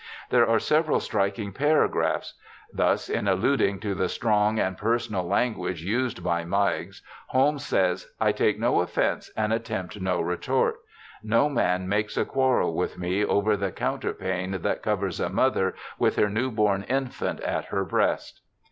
There are several striking paragraphs ; thus, in alluding to the strong and personal language used by Meigs, Holmes says :' I take no offence and attempt no retort ; no man makes a quarrel with me over the counterpane that covers a mother with her new born infant at her breast.'